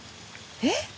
えっ？